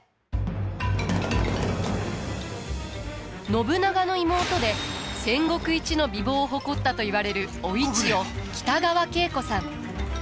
信長の妹で戦国一の美貌を誇ったといわれるお市を北川景子さん。